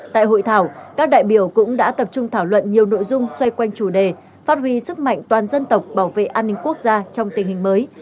tại hội thảo các đại biểu cũng đã tập trung thảo luận nhiều nội dung xoay quanh chủ đề phát huy sức mạnh toàn dân tộc bảo vệ an ninh quốc gia trong tình hình mới